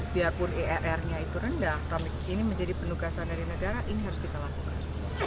biarpun irrnya itu rendah tapi ini menjadi penugasan dari negara ini harus kita lakukan